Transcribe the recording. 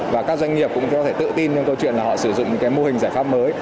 và các doanh nghiệp cũng có thể tự tin trong câu chuyện là họ sử dụng một cái mô hình giải pháp mới